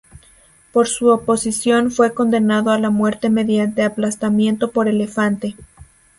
Por su oposición fue condenado a la muerte mediante aplastamiento por elefante.